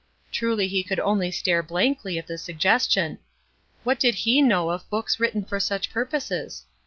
Truly he could only stare blankly at the suggestion. What did he know of books written for such purposes?